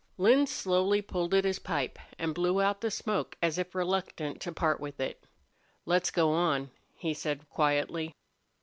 Lin slowly pulled at his pipe and blew out the smoke as if reluctant to part with it. "Let's go on," he said, quietly.